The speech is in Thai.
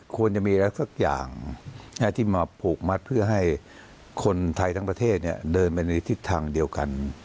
ควรจะมีอะไรสักอย่างที่มาผูกมัดเพื่อให้คนไทยทั้งประเทศเดินไปในทิศทางเดียวกัน